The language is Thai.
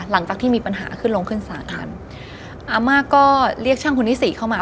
หลังจากที่มีปัญหาขึ้นลงขึ้นศาลกันอาม่าก็เรียกช่างคนที่สี่เข้ามา